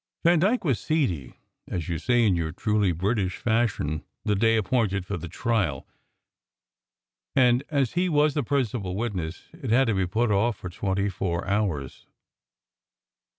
Vandyke was seedy (as you say in your truly British fashion) the day appointed for the trial, and as he was the principal witness it had to be put off for twenty four hours.